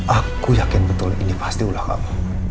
aku yakin betul ini pasti ulah kamu